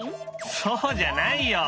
そうじゃないよ。